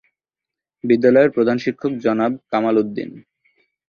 বিদ্যালয়ের প্রধান শিক্ষক জনাব কামাল উদ্দীন।